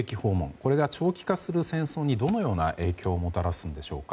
これが長期化する戦争にどのような影響をもたらすんでしょうか。